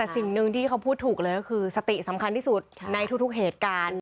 แต่สิ่งหนึ่งที่เขาพูดถูกเลยก็คือสติสำคัญที่สุดในทุกเหตุการณ์